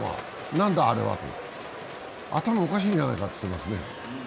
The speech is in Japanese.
なんだあれはと、頭がおかしいんじゃないかと言ってますね。